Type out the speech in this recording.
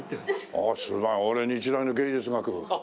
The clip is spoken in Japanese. ああ俺日大の芸術学部。